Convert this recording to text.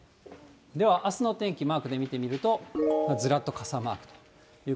では、あすの天気、マークで見てみると、ずらっと傘マークという